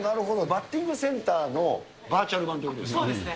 バッティングセンターのバーチャル版ということですか？